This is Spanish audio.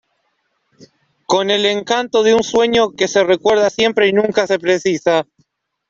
con el encanto de un sueño que se recuerda siempre y nunca se precisa.